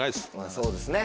そうですね